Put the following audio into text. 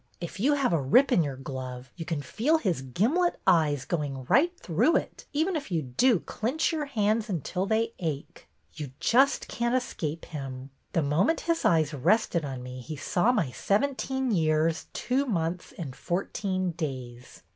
If you have a rip in your gloves you can feel his gimlet eyes going right through it, even if you do clinch your hands until they ache. You just can't escape him. The moment his eyes rested on me he saw my seventeen years, two months and fourteen days."